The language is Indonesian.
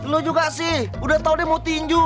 lu juga sih udah tau dia mau tinju